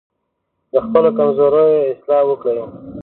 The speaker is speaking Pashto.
د خپلو کمزورۍ اصلاح وکړئ.